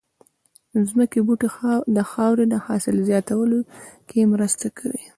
ځمکې بوټي د خاورې د حاصل زياتولو کې مرسته کوي